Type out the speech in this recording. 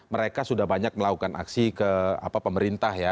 mereka sudah banyak melakukan aksi ke pemerintah ya